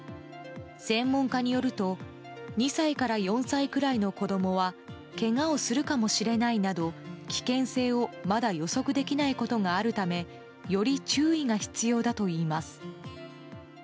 専門家によると２歳から４歳くらいの子供はけがをするかもしれないなど危険性をまだ予測できないことがあるためより注意が必要だといいます。